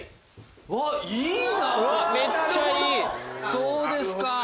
そうですか。